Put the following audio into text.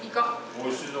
おいしいぞ。